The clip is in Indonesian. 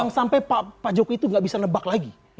yang sampai pak jokowi itu gak bisa nebak lagi